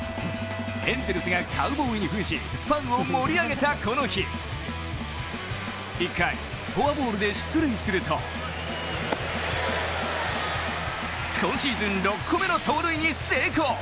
エンゼルスがカウボーイにふんしファンを盛り上げた、この日１回、フォアボールで出塁すると今シーズン６個目の盗塁に成功。